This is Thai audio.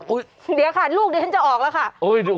อุ๊ยเดี๋ยวค่ะลูกเนนกจะออกแล้วค่ะ